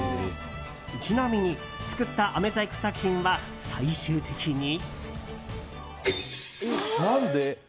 ちなみに、作ったあめ細工作品は最終的に。